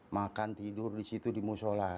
makan tidur di situ di musola